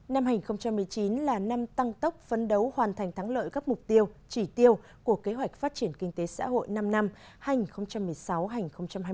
năm hai nghìn một mươi chín là năm tăng tốc phấn đấu hoàn thành thắng lợi các mục tiêu chỉ tiêu của kế hoạch phát triển kinh tế xã hội năm năm hành một mươi sáu hành hai mươi